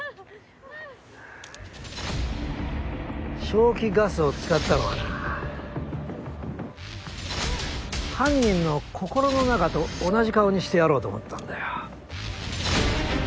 笑気ガスを使ったのはな犯人の心の中と同じ顔にしてやろうと思ったんだよ。